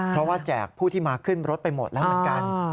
เพราะว่าแจกผู้ที่มาขึ้นรถไปหมดแล้วเหมือนกัน